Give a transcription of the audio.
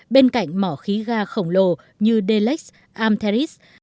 bên cạnh mỏ khí ga khổng lồ như delex amteris